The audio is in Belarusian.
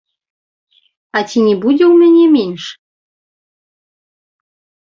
А ці не будзе ў мяне менш?